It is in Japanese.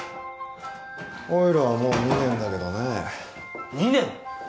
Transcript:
おいらはもう２年だけどねえ２年！？